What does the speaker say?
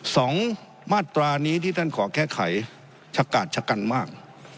สองมาตรานี้ที่ท่านขอแก้ไขชะกาดชะกันมาก